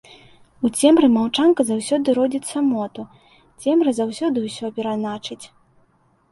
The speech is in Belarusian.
У цемры маўчанка заўсёды родзіць самоту, цемра заўсёды ўсё перайначыць.